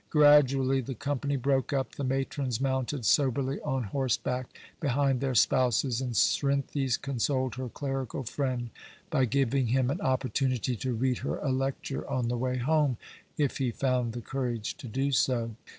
Gradually the company broke up; the matrons mounted soberly on horseback behind their spouses; and Cerinthy consoled her clerical friend by giving him an opportunity to read her a lecture on the way home, if he found the courage to do so.